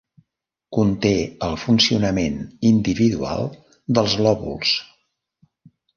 Conté el funcionament individual dels lòbuls.